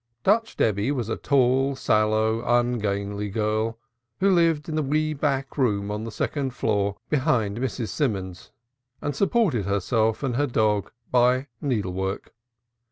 Dutch Debby was a tall sallow ungainly girl who lived in the wee back room on the second floor behind Mrs. Simons and supported herself and her dog by needle work.